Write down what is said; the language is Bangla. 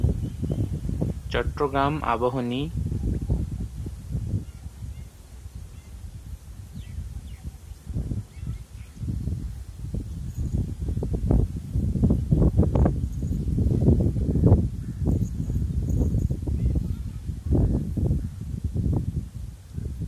আখতারুজ্জামান বাংলাদেশ সেনাবাহিনীর অবসরপ্রাপ্ত মেজর ও মুক্তিযোদ্ধা ছিলেন।